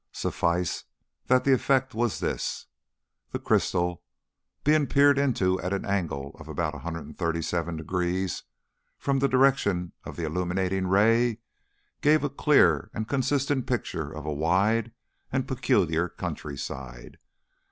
Suffice that the effect was this: the crystal, being peered into at an angle of about 137 degrees from the direction of the illuminating ray, gave a clear and consistent picture of a wide and peculiar countryside.